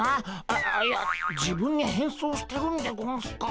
あいや自分に変装してるんでゴンスか？